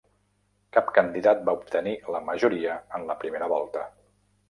Cap candidat va obtenir la majoria en la primera volta.